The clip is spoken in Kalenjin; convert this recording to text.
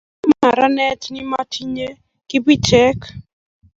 momi maranet nemotinyei kibichek